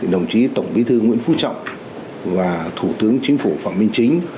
đồng chí tổng bí thư nguyễn phú trọng và thủ tướng chính phủ phạm minh chính